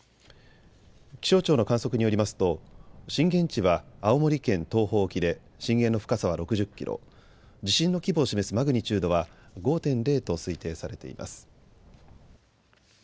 気象庁の観測によりますと震源地は青森県東方沖で震源の深さは６０キロ、地震の規模を示すマグニチュードは５．０と推定されています。